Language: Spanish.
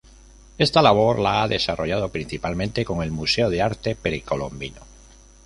Esta labor la ha desarrollado principalmente en el Museo de Arte Precolombino.